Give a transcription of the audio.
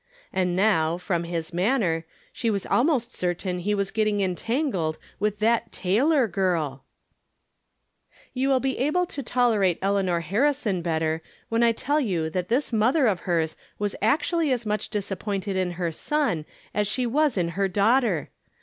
And now, from his manner, she was almost certain he was getting entangled with that Taylor girl ! You will be able to tolerate Eleanor Harrison better, when I tell you that this mother of hers was actually as much disappointed in her son as she was in her daughter